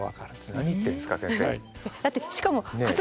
何言ってんですか先生。